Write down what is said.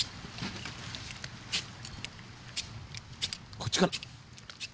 こっちから。